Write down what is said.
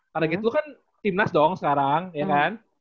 target lo kan timnas doang sekarang ya kan